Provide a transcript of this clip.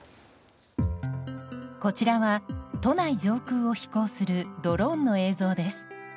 こちらは都内上空を飛空するドローンの映像です。